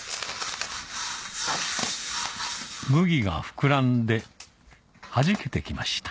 麦が膨らんではじけて来ました